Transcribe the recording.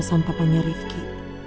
sampe punya rifqi